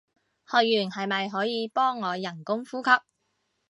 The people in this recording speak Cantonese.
學完係咪可以幫我人工呼吸